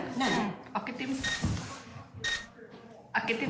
開けてみて。